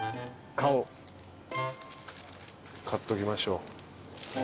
買っときましょう。